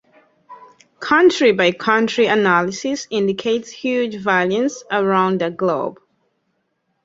Country by country analysis indicates huge variance around the globe.